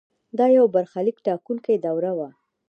دا یو برخلیک ټاکونکې دوره وه.